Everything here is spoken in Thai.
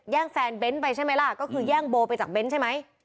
แย่งแฟนเบนท์ไปใช่ไหมล่ะก็คือแย่งโบว์ไปจากเบนท์ใช่ไหม